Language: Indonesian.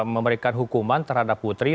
memberikan hukuman terhadap putri